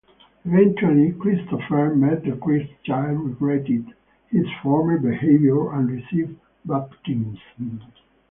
Eventually, Christopher met the Christ child, regretted his former behavior, and received baptism.